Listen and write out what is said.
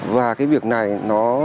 và cái việc này nó